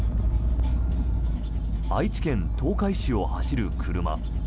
愛知県東海市を走る車。